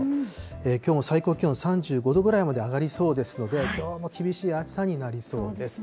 きょうも最高気温３５度ぐらいまで上がりそうですので、きょうも厳しい暑さになりそうです。